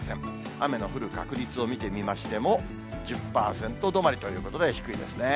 雨の降る確率を見てみましても、１０％止まりということで、低いですね。